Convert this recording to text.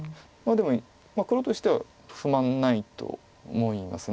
でも黒としては不満ないと思います。